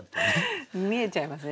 見えちゃいますね